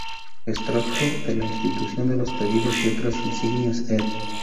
Extracto de la "Institución de los pedidos y otras insignias", ed.